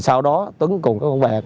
sau đó tuấn cùng các con bè kéo đơn